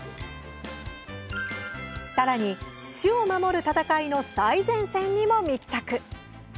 さらに種を守る戦いの最前線にも密着。